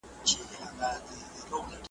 اقتصادي پرمختګ به د هيواد راتلونکی روښانه کړي.